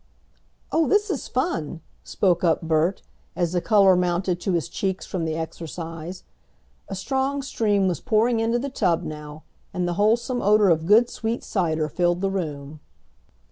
"Oh, this is fun," spoke up Bert, as the color mounted to his cheeks from the exercise. A strong stream was pouring into the tub now, and the wholesome odor of good sweet cider filled the room.